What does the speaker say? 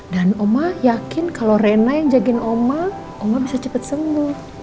dan oma yakin kalau rina yang jagain oma oma bisa cepet sembuh